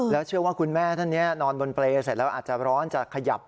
แล้วเชื่อว่าคุณแม่ท่านนี้นอนบนเปรย์เสร็จแล้วอาจจะร้อนจะขยับ